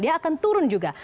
dia akan turun juga